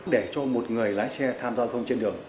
để cho một người lái xe tham gia giao thông trên đường